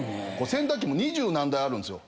洗濯機も二十何台あるんですよ。